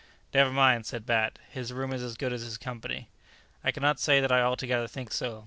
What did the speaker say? "Never mind!" said Bat, "his room is as good as his company." "I cannot say that I altogether think so.